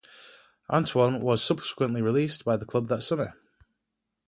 Antoine was subsequently released by the club that summer.